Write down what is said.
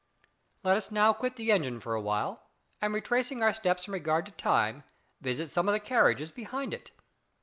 Let us now quit the engine for a little, and, retracing our steps in regard to time, visit some of the carriages behind it.